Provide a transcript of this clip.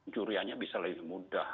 curiannya bisa lebih mudah